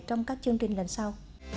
trong các chương trình lần sau